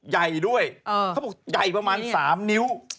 ใหญ่ด้วยเขาบอกใหญ่ประมาณ๓นิ้ว